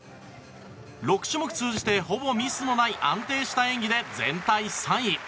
６種目通じてほぼミスのない安定した演技で全体３位。